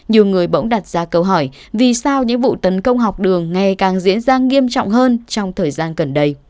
nhiều người bỗng đặt ra câu hỏi vì sao những vụ tấn công học đường ngày càng diễn ra nghiêm trọng hơn trong thời gian gần đây